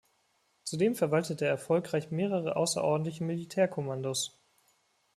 Zudem verwaltete er erfolgreich mehrere außerordentliche Militärkommandos.